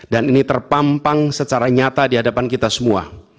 dan ini terpampang secara nyata di hadapan kita semua